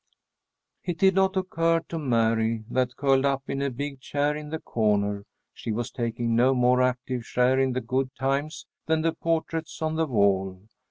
It did not occur to Mary that, curled up in a big chair in the corner, she was taking no more active share in the good times than the portraits on the wall.